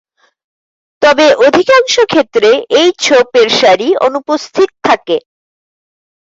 তবে অধিকাংশ ক্ষেত্রে এই ছোপ এর সারি অনুপস্থিত থাকে।